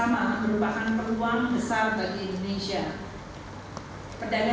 meningkatnya integrasi asean sebagai suatu pasar bersama